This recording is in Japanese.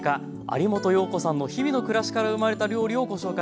有元葉子さんの日々の暮らしから生まれた料理をご紹介頂きます。